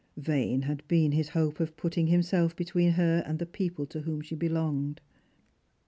Vain had been his hope of putting himself between her and the people to whom she belonged.